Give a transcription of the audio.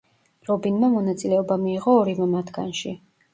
რობინმა მონაწილეობა მიიღო ორივე მათგანში.